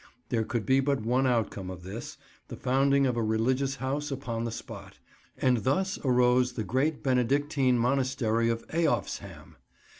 There could be but one outcome of this: the founding of a religious house upon the spot; and thus arose the great Benedictine monastery of Eof's hamme.